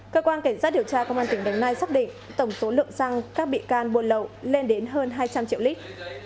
cơ quan cảnh sát điều tra công an tỉnh đồng nai xác định tổng số lượng xăng các bị can buồn lậu lên đến hơn hai trăm linh triệu lít